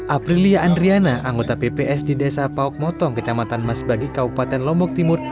aprilia andriana anggota pps di desa paok motong kecamatan masbagi kabupaten lombok timur